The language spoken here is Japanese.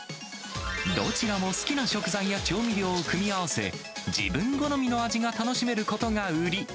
どちらも好きな食材や調味料を組み合わせ、自分好みの味が楽しめることが売り。